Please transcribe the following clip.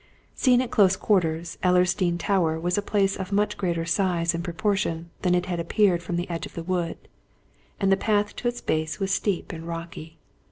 Seen at close quarters Ellersdeane Tower was a place of much greater size and proportion than it had appeared from the edge of the wood, and the path to its base was steep and rocky.